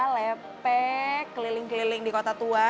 lepek keliling keliling di kota tua